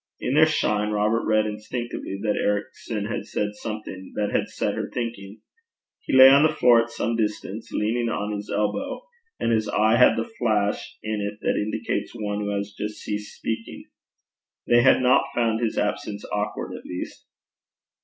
In their shine Robert read instinctively that Ericson had said something that had set her thinking. He lay on the floor at some distance, leaning on his elbow, and his eye had the flash in it that indicates one who has just ceased speaking. They had not found his absence awkward at least.